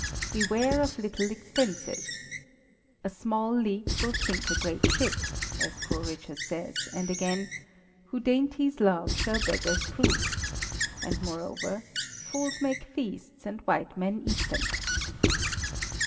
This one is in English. Beware of little expenses: "A small leak will sink a great ship," as Poor Richard says; and again, "Who dainties love, shall beggars prove;" and moreover, "Fools make feasts and wise men eat them."